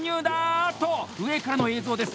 おっと、上からの映像です。